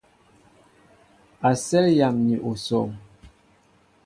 Asέl yam ni osoŋ.